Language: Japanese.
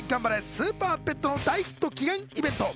スーパーペット』の大ヒット祈願イベント。